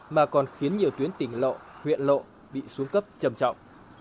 mà còn khiến nhiều tuyến tỉnh lộ huyện lộ bị xuống cấp trầm trọng